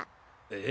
え？